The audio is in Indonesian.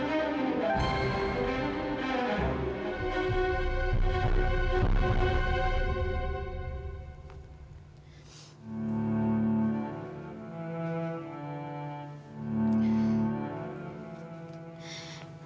kenapa semuanya terjadi secepat ini